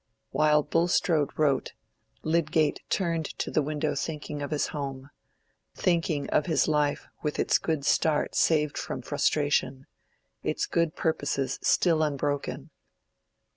While Bulstrode wrote, Lydgate turned to the window thinking of his home—thinking of his life with its good start saved from frustration, its good purposes still unbroken.